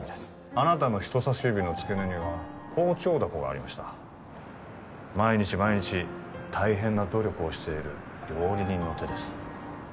あなたの人さし指の付け根には包丁ダコがありました毎日毎日大変な努力をしている料理人の手です